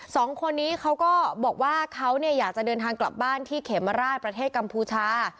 สองคนนี้เขาก็บอกว่าเขาอยากจะเดินทางกลับบ้านที่เขมราชประเทศกัมพูชา